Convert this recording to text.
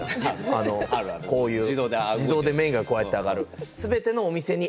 あのこういう自動で麺がこうやって上がる。